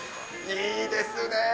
いいですね。